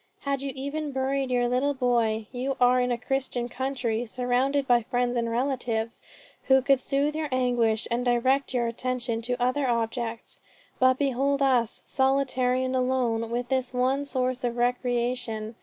Had you even buried your little boy, you are in a Christian country, surrounded by friends and relatives, who could soothe your anguish and direct your attention to other objects. But behold us, solitary and alone, with this one source of recreation!